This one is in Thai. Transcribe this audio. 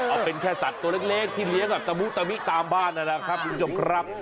เอาเป็นแค่สัตว์ตัวเล็กที่เลี้ยงแบบตะมุตะมิตามบ้านนะครับคุณผู้ชมครับ